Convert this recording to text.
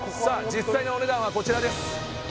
実際のお値段はこちらです